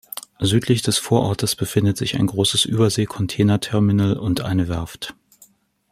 Südlich des Vorortes befindet sich ein großes Übersee-Containerterminal und eine Werft.